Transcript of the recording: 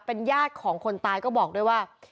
เป็นญาติของคนตายก็บอกด้วยว่า